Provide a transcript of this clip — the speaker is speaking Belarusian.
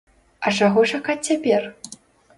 А чаго чакаць цяпер?